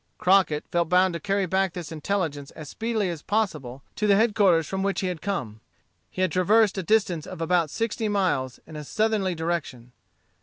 Crockett felt bound to carry back this intelligence as speedily as possible to the headquarters from which he had come. He had traversed a distance of about sixty miles in a southerly direction.